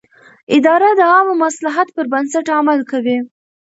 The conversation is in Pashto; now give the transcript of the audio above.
اداره د عامه مصلحت پر بنسټ عمل کوي.